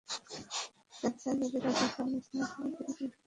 Cancer যদি প্রাথমিক পর্যায়ে ধরা পড়ে, এটিকে ডায়াবেটিসের মতো নিয়ন্ত্রণ করা সম্ভব।